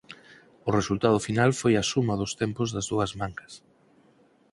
O resultado final foi a suma dos tempos das dúas mangas.